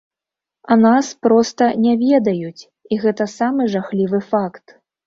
А нас проста не ведаюць, і гэта самы жахлівы факт.